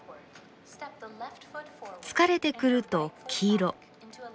疲れてくると黄色。